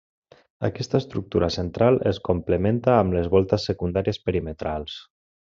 Aquesta estructura central es complementa amb les voltes secundàries perimetrals.